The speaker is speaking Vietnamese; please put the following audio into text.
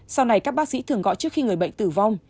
sau này các bác sĩ thường gọi trước khi người bệnh tử vong